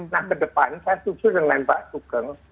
nah kedepan saya setuju dengan pak sugeng